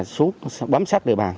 xuống bám sát địa bàn